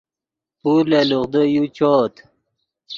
پور لے لوغدو یو چؤت